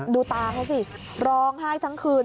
ดูตาเขาสิร้องไห้ทั้งคืน